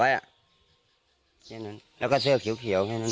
แค่นั้นแล้วก็เสื้อเขียวแค่นั้นหนึ่ง